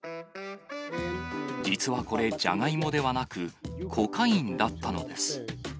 実はこれ、ジャガイモではなく、コカインだったのです。